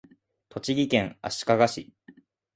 栃木県足利市